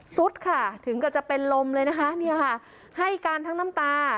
สุดค่ะถึงกับจะเป็นลมเลยนะคะเนี่ยค่ะให้การทั้งน้ำตา